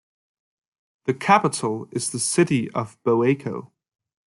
The capital is the city of Boaco.